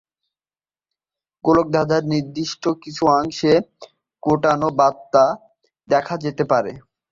গোলকধাঁধার নির্দিষ্ট কিছু অংশে, গুটানো বার্তা দেখা যেতে পারে।